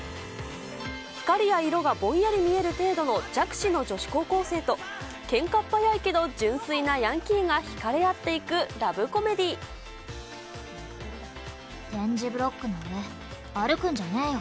光や色がぼんやり見える程度の弱視の女子高校生と、けんかっ早いけど純粋なヤンキーが引かれ合っていくラブコメディ点字ブロックの上、歩くんじゃねえよ。